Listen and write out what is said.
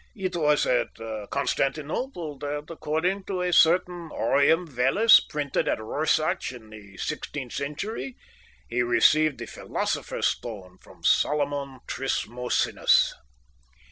It was at Constantinople that, according to a certain aureum vellus printed at Rorschach in the sixteenth century, he received the philosopher's stone from Solomon Trismosinus.